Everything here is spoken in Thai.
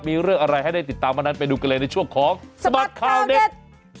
มีเรื่องอะไรให้ได้ติดตามวันนั้นไปดูกันเลยในช่วงของสบัดข่าวเด็ด